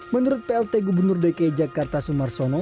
menurut plt gubernur dki jakarta sumarsono